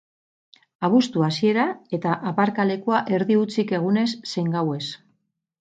Abuztu hasiera eta aparlalekua erdi hutsik egunez zein gauez.